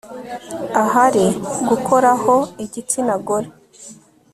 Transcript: ahari gukoraho igitsina gore